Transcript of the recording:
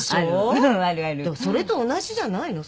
それと同じじゃないの？